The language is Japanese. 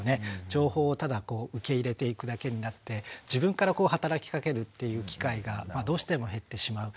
情報をただこう受け入れていくだけになって自分から働きかけるっていう機会がどうしても減ってしまう。